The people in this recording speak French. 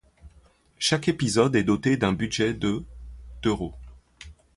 Chaque épisode est doté d'un budget de d'euros.